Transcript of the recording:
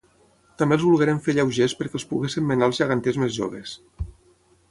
També els volgueren fer lleugers perquè els poguessin menar els geganters més joves.